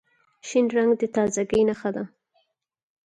شین رنګ د تازګۍ نښه ده.